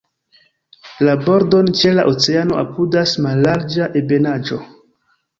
La bordon ĉe la oceano apudas mallarĝa ebenaĵo.